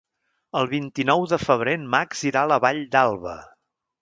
El vint-i-nou de febrer en Max irà a la Vall d'Alba.